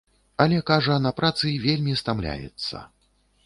Але, кажа, на працы вельмі стамляецца.